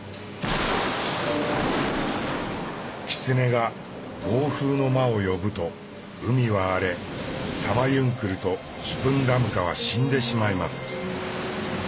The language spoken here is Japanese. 狐が「暴風の魔」を呼ぶと海は荒れサマユンクルとシュプンラムカは死んでしまいます。